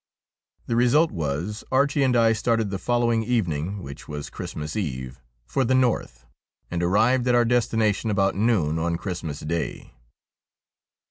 The result was Archie and I started the following evening, which was Christmas Eve, for the north, and arrived at our destination about noon on Christmas Day.